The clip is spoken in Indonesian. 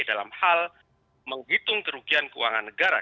dalam hal menghitung kerugian keuangan negara